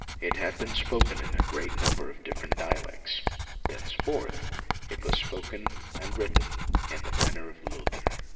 It had been spoken in a great number of different dialects; thenceforth it was spoken and written in the manner of Luther.